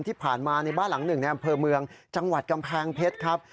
ที่ผ่านมาในบ้านหลังหนึ่งในอำเภอเมืองจังหวัดกำแพงเพชรครับ